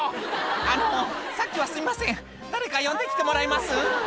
「あのさっきはすみません誰か呼んで来てもらえます？」